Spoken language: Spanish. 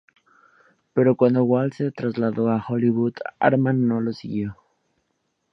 Pero cuando Walt se trasladó a Hollywood, Harman no lo siguió.